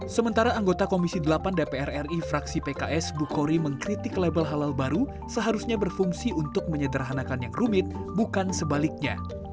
sementara anggota komisi delapan dpr ri fraksi pks bukori mengkritik label halal baru seharusnya berfungsi untuk menyederhanakan yang rumit bukan sebaliknya